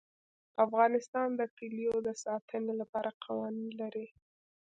افغانستان د کلیو د ساتنې لپاره قوانین لري.